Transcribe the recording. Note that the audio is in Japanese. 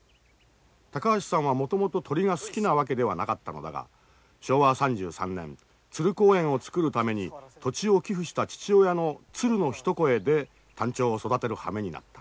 高橋さんはもともと鳥が好きなわけではなかったのだが昭和３３年鶴公園をつくるために土地を寄付した父親の「鶴の一声」でタンチョウを育てるはめになった。